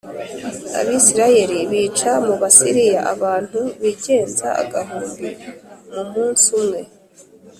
Abisirayeli bica mu Basiriya abantu bigenza agahumbi mu munsi umwe